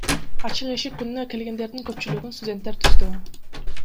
Ачык эшик күнүнө келгендердин көпчүлүгүн студенттер түздү.